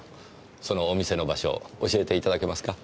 そのお店の場所教えていただけますか？